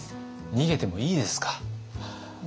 逃げてもいいです。